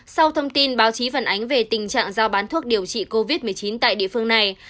sau thông tin báo chí phản ánh về tình trạng giao bán thuốc điều trị covid một mươi chín tại địa phương này